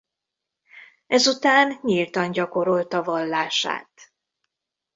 Ezután nyíltan gyakorolta vallását.